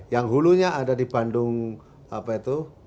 yang hulu nya ada di bandung apa itu